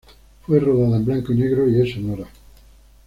Fue rodada en blanco y negro y es sonora.